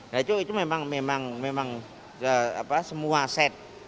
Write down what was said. nah itu memang memang memang apa semua set